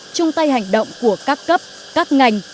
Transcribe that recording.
chung tay hành động của các cấp các ngành